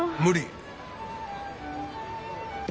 無理。